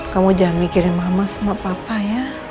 kamu jangan mikirin mama sama papa ya